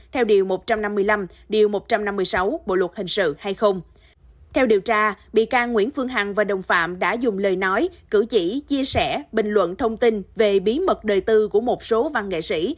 theo điều tra bị can nguyễn phương hằng và đồng phạm đã dùng lời nói cử chỉ chia sẻ bình luận thông tin về bí mật đời tư của một số văn nghệ sĩ